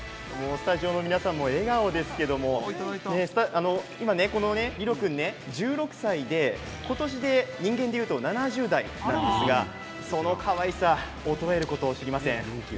スタジオの皆さんも笑顔ですけれども今、このリロ君１６歳で今年で人間でいうと７０代なんですがそのかわいさ衰えることを知りません。